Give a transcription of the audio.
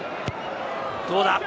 どうだ？